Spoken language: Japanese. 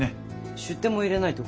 出典も入れないと。